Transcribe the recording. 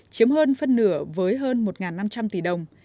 chiếm hơn phân nửa với hơn một năm trăm linh tỷ đồng